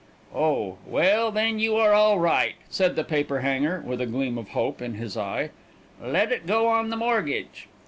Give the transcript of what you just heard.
"Oh. Well, then you are all right," said the paper hanger, with a gleam of hope in his eye. "Let it go on the mortgage."